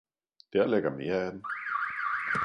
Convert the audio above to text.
Der ligger mere af den!